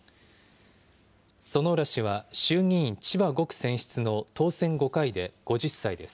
薗浦氏は衆議院千葉５区選出の当選５回で５０歳です。